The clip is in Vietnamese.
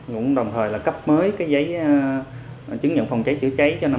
cũng đồng thời là cấp mới giấy chứng nhận phòng cháy chữa cháy cho năm hai nghìn một mươi sáu